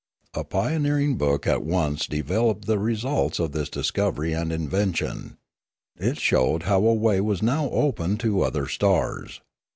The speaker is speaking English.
A pioneering book at once developed the re sults of this discovery and invention. It showed how a way was now opened to other stars.